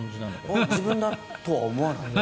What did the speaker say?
あっ、自分だ！とは思わないんだ。